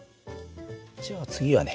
じゃあ次はね